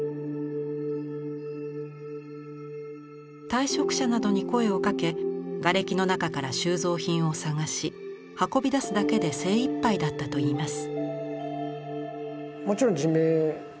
退職者などに声をかけがれきの中から収蔵品を捜し運び出すだけで精いっぱいだったといいます。